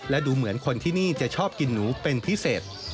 และดูเหมือนคนที่นี่จะชอบกินหนูเป็นพิเศษ